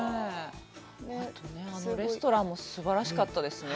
レストランもすばらしかったですね。